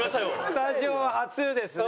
スタジオは初ですね。